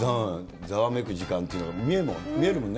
ざわめく時間っていうのが見えるもんね。